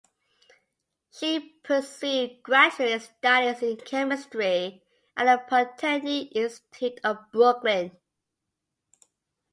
She pursued graduate studies in chemistry at the Polytechnic Institute of Brooklyn.